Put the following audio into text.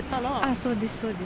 そうです、そうです。